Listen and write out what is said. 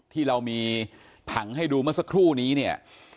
ที่เรามีผังให้ดูเมื่อสักครู่นี้เนี่ย